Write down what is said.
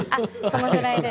そのぐらいで。